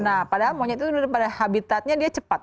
nah padahal monyet itu duduk pada habitatnya dia cepat